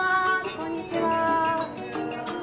こんにちは。